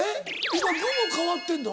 今具も変わってんの？